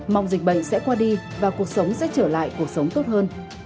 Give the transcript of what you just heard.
mong dịch bệnh sẽ qua đi và cuộc sống sẽ trở lại cuộc sống tốt hơn